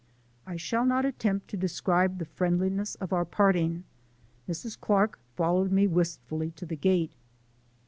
I shall not attempt to describe the friendliness of our parting. Mrs. Clark followed me wistfully to the gate.